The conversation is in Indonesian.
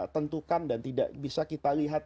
tentukan dan tidak bisa kita lihat